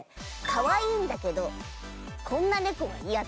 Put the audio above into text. かわいいんだけどこんな猫はイヤだ！